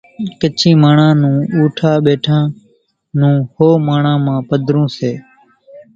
ڪڇِي ماڻۿان نون اوٺوون ٻيۿوون ۿو ماڻۿان پڌرون هوئيَ سي۔